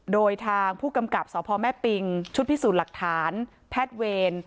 โดยทางผู้กำกับสพแม่ปิงชุดพิสูจน์หลักฐานแพทย์เวร